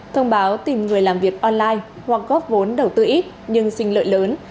thông báo tìm người làm việc online hoặc góp vốn đầu tư ít nhưng xin lợi lớn